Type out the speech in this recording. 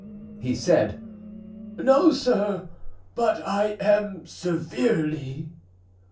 he said. "No, sir, but I am severely."